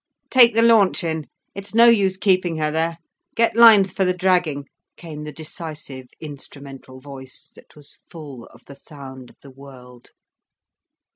"Take the launch in. It's no use keeping her there. Get lines for the dragging," came the decisive, instrumental voice, that was full of the sound of the world.